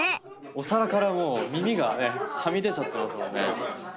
お皿からもう耳がねはみ出ちゃってますもんね。